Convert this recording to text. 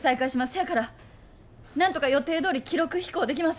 そやからなんとか予定どおり記録飛行できませんか。